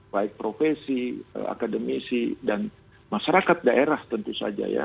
baik profesi akademisi dan masyarakat daerah tentu saja ya